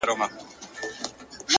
• هغې ويل په پوري هـديــره كي ښخ دى ؛